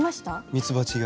ミツバチが。